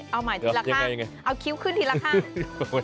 เอาใหม่ทีละคร่าวเอาคิ้วขึ้นทีละคร่าวโอ้ยยังไง